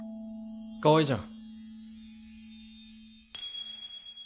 かわいいじゃん。